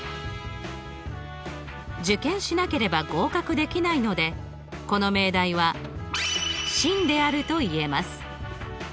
受験しなければ合格できないのでこの命題は真であるといえます。